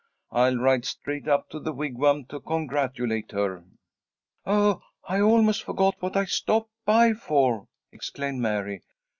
I'll ride straight up to the Wigwam to congratulate her." "Oh, I almost forgot what I stopped by for," exclaimed Mary.